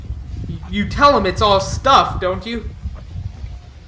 "You tell him it's all stuff, don't you?"